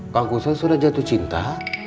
pak guson sudah jatuh cinta